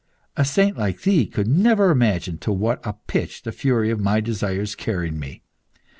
A saint like thee could never imagine to what a pitch the fury of my desires carried me.